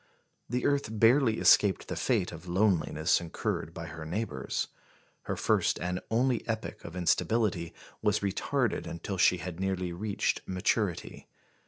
The earth barely escaped the fate of loneliness incurred by her neighbours. Her first and only epoch of instability was retarded until she had nearly reached maturity.